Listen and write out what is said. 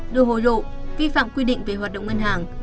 được hồi lộ vi phạm quy định về hoạt động ngân hàng